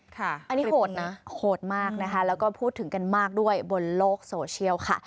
ค่ะอันนี้โหดนะโหดมากนะคะแล้วก็พูดถึงกันมากด้วยบนโลกโซเชียลค่ะ